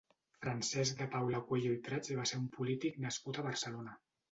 Francesc de Paula Cuello i Prats va ser un polític nascut a Barcelona.